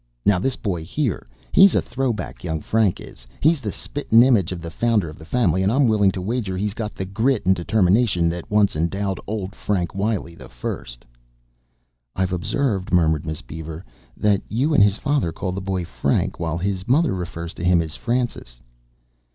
"Now, this boy here, he's a throw back, young Frank is. He's the spittin' image of the founder of the family and I'm willing to wager he's got the grit and determination that once endowed old Frank Wiley I." "I've observed," murmured Miss Beaver, "that you and his father call the boy Frank, while his mother refers to him as Francis."